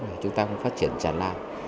để chúng ta phát triển chẳng làm